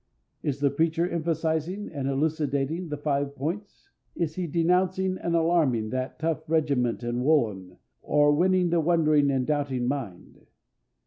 Is the preacher emphasizing and elucidating the five points? Is he denouncing and alarming that tough regiment in woollen, or winning the wondering and doubting mind?